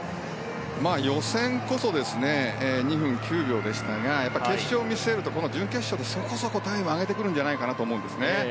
予選こそ２分９秒でしたが決勝を見据えると、準決勝でそこそこタイムを上げてくるんじゃないかなと思うんですね。